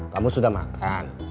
kamu sudah makan